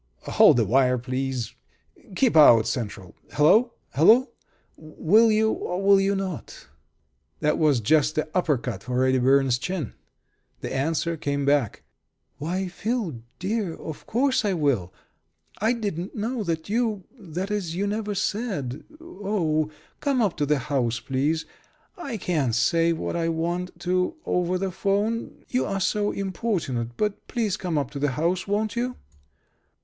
Hold the wire, please. Keep out, Central. Hello, hello! Will you, or will you not?" That was just the uppercut for Reddy Burns' chin. The answer came back: "Why, Phil, dear, of course I will! I didn't know that you that is, you never said oh, come up to the house, please I can't say what I want to over the 'phone. You are so importunate. But please come up to the house, won't you?"